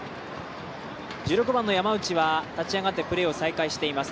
１６番の山内は立ち上がってプレーを再開しています。